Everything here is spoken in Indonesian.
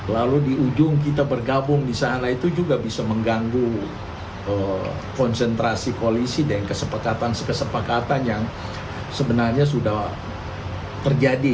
lalu di ujung kita bergabung di sana itu juga bisa mengganggu konsentrasi koalisi dengan kesepakatan yang sebenarnya sudah terjadi